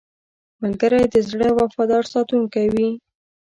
ملګری د زړه وفادار ساتونکی وي